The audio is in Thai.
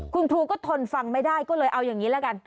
คุณครูก็ทนฟังไม่ได้ก็เลยเอาอย่างนี้ละกัน